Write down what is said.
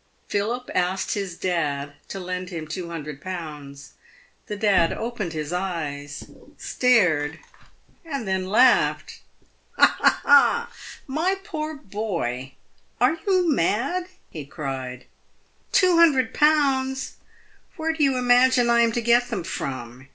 Philip asked his dad to lend him 200Z. The dad opened his eyes, stared, and then laughed. " My poor boy ! are you mad ?" he cried. " 2001. ! where do you imagine I am to get them from